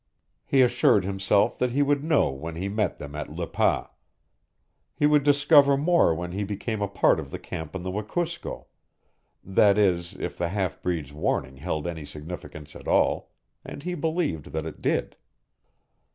He assured himself that he would know when he met them at Le Pas. He would discover more when he became a part of the camp on the Wekusko; that is, if the half breed's warning held any significance at all, and he believed that it did.